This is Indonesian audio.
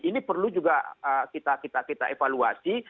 ini perlu juga kita kita kita evaluasi